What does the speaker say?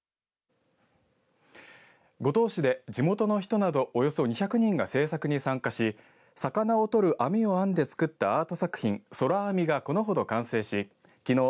五島市で地元の人などおよそ２００人が制作に参加し魚を取る網を編んで作ったアート作品、そらあみがこのほど完成しきのう